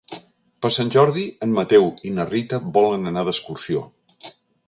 Per Sant Jordi en Mateu i na Rita volen anar d'excursió.